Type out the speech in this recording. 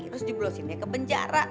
terus di belosin dia ke penjara